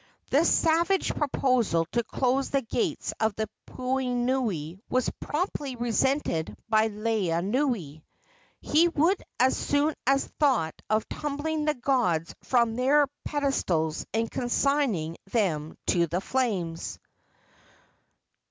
This savage proposal to close the gates of the puhonui was promptly resented by Laeanui. He would as soon have thought of tumbling the gods from their pedestals and consigning them to the flames.